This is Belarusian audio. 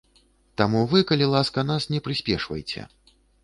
Таму вы, калі ласка, нас не прыспешвайце.